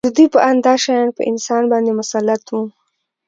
د دوی په اند دا شیان په انسان باندې مسلط وو